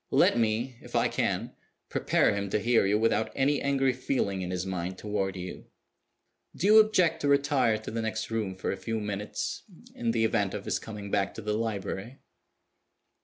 Let me, if I can, prepare him to hear you without any angry feeling in his mind toward you. Do you object to retire to the next room for a few minutes in the event of his coming back to the library?"